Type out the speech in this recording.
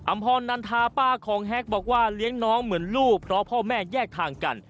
พรนันทาป้าของแฮกบอกว่าเลี้ยงน้องเหมือนลูกเพราะพ่อแม่แยกทางกัน